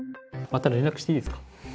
また連絡していいですか。